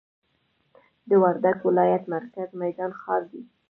د وردګ ولایت مرکز میدان ښار دی